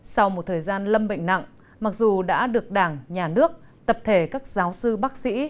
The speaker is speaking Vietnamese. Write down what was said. sau một thời gian lâm bệnh nặng mặc dù đã được đảng nhà nước tập thể các giáo sư bác sĩ